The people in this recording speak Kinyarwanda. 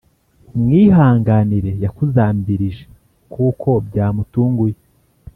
Umwihanganire yakuzambirije kuko byamutunguye